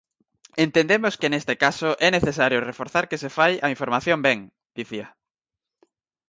"Entendemos que neste caso é necesario reforzar que se fai a información ben", dicía.